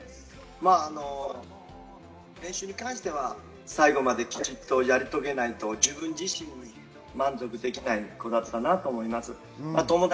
練習に関しては最後までちゃんとやり遂げないと自分自身に満足できない子だったなと思います。